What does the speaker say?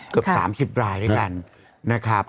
เกือบ๓๐รายด้วยกันนะครับ